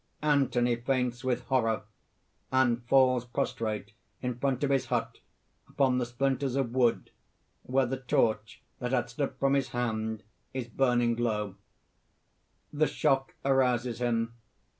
(_Anthony faints with horror, and falls prostrate in front of his hut upon the splinters of wood, where the torch that had slipped from his hand, is burning low._ _The shock arouses him.